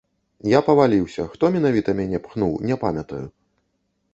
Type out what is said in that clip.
Я паваліўся, хто менавіта мяне пхнуў, не памятаю.